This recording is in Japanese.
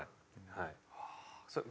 はい。